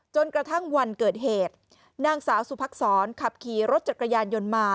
จนกระทั่งวันเกิดเหตุนางสาวสุภักษรขับขี่รถจักรยานยนต์มา